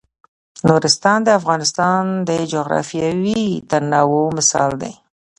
نورستان د افغانستان د جغرافیوي تنوع مثال دی.